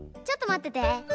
ちょっとまってて。